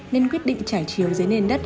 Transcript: nên quyết định trải chiếu dưới nền đất